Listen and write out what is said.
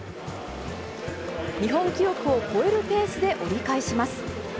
日本記録を超えるペースで折り返します。